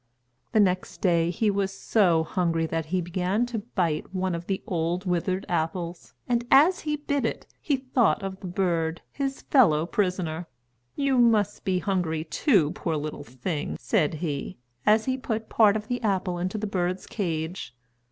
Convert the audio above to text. The next day he was so hungry that he began to bite one of the old withered apples, and as he bit it, he thought of the bird, his fellow prisoner. "You must be hungry too, poor little thing," said he, as he put part of the apple into the bird's cage.